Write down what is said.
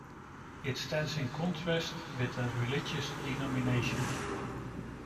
It stands in contrast with a religious denomination.